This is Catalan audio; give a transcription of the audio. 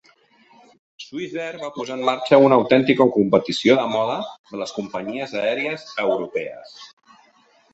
Swissair va posar en marxa una autèntica competició de moda de les companyies aèries europees.